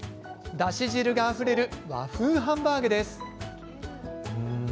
だし汁があふれる和風ハンバーグです。